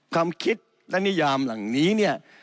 ความคิดและนิยามเหล่านี้เนี่ย